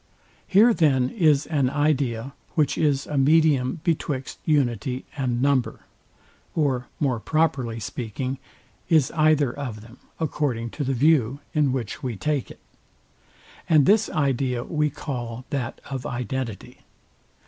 Here then is an idea, which is a medium betwixt unity and number; or more properly speaking, is either of them, according to the view, in which we take it: And this idea we call that of identity.